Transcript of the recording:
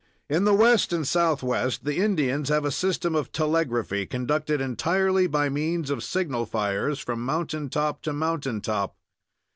In the West and Southwest the Indians have a system of telegraphy, conducted entirely by means of signal fires from mountain top to mountain top.